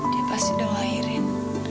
dia pasti udah lahirin